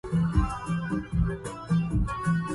أيها الناكث العهود ستجني